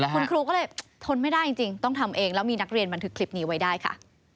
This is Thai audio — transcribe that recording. คุณครูก็เลยทนไม่ได้จริงต้องทำเองแล้วมีนักเรียนบันทึกคลิปนี้ไว้ได้ค่ะ